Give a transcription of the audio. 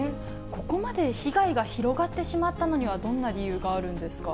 ここまで被害が広がってしまったのには、どんな理由があるんですか？